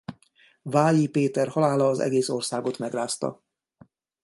Vályi Péter halála az egész országot megrázta.